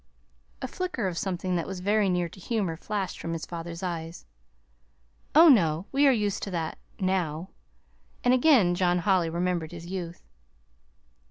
A flicker of something that was very near to humor flashed from his father's eyes. "Oh, no. We are used to that now." And again John Holly remembered his youth.